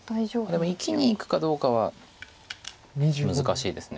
でも生きにいくかどうかは難しいです。